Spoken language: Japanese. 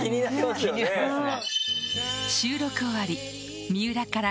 気になりますよね！